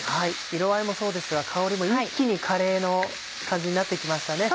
色合いもそうですが香りも一気にカレーの感じになって来ましたね。